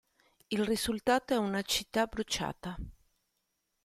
Il risultato è una città bruciata.